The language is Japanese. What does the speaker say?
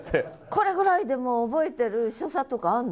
これぐらいでも覚えてる所作とかあるの？